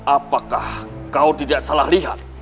apakah kau tidak salah lihat